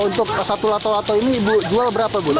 untuk satu lato lato ini ibu jual berapa bu